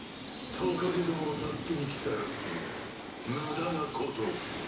トカゲどもを助けに来たらしいが無駄なことを。